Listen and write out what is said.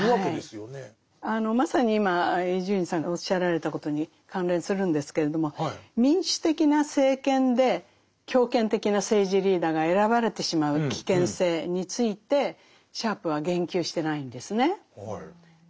まさに今伊集院さんがおっしゃられたことに関連するんですけれども民主的な政権で強権的な政治リーダーが選ばれてしまう危険性についてシャープは言及してないんですね。